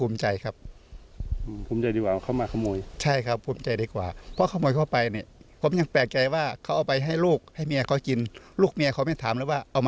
ไม่คิดค่าใช้จ่ายด้วยนะครับครับ